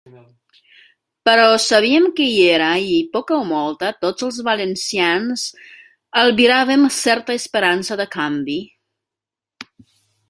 Però sabíem que hi era, i, poca o molta, tots els valencians albiràvem certa esperança de canvi.